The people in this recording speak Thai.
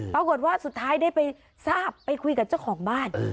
ปรากฏว่าสุดท้ายได้ไปทราบไปคุยกับเจ้าของบ้าน